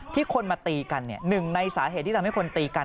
คนมาตีกันหนึ่งในสาเหตุที่ทำให้คนตีกัน